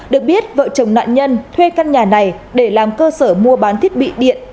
được biết vợ chồng nạn nhân thuê căn nhà này để làm cơ sở mua bán thiết bị điện